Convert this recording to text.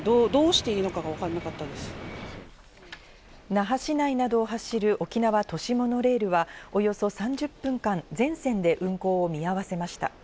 那覇市内などを走る沖縄都市モノレールはおよそ３０分間、全線で運行を見合わせました。